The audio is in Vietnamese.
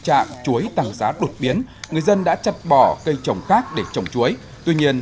trạng chuối tăng giá đột biến người dân đã chặt bỏ cây trồng khác để trồng chuối tuy nhiên